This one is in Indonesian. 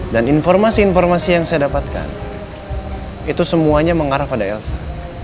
dan informasi informasi yang saya dapatkan itu semuanya mengarah pada elsa